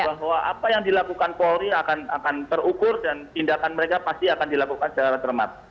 bahwa apa yang dilakukan polri akan terukur dan tindakan mereka pasti akan dilakukan secara cermat